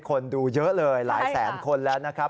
คนดูเยอะเลยหลายแสนคนแล้วนะครับ